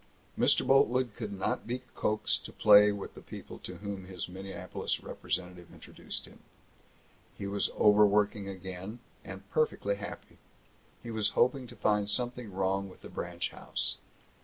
Mr. Boltwood could not be coaxed to play with the people to whom his Minneapolis representative introduced him. He was overworking again, and perfectly happy. He was hoping to find something wrong with the branch house.